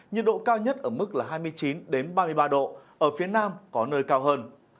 nhiệt độ cao nhất ở mức hai mươi chín ba mươi ba độ ở phía nam có nơi cao hơn